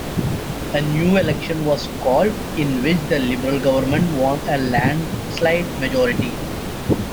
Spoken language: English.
A new election was called, in which the Liberal government won a landslide majority.